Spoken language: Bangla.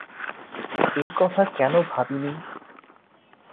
এ কথা কেন ভাবি নি?